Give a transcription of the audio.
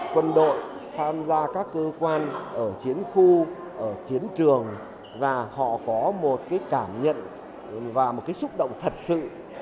quân đội tham gia các cơ quan ở chiến khu chiến trường và họ có một cảm nhận và một xúc động thật sự